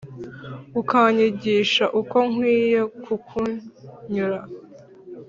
ukanyigisha uko nkwiye kukunyura.